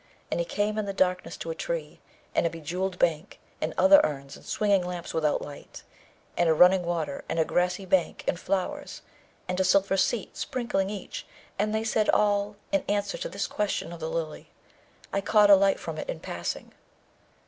And he came in the darkness to a tree, and a bejewelled bank, and other urns, and swinging lamps without light, and a running water, and a grassy bank, and flowers, and a silver seat, sprinkling each; and they said all in answer to his question of the Lily, 'I caught a light from it in passing.'